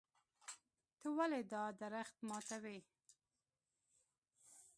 ته ولې دا درخت ماتوې.